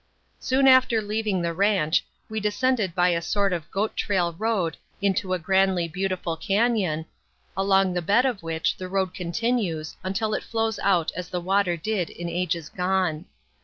Soon after leaving the ranch, we descended by a sort of goat trail road into a grandly beautiful cañon, along the bed of which the road continues until it flows out as the water did in ages gone.